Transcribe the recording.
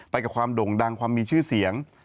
กับความโด่งดังความมีชื่อเสียง